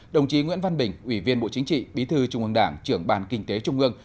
đồng chí nguyễn văn bình ủy viên bộ chính trị bí thư trung ương đảng trưởng bàn kinh tế trung ương